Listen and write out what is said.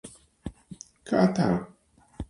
Kā tā?